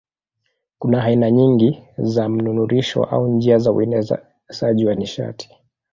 Kuna aina nyingi za mnururisho au njia za uenezaji wa nishati.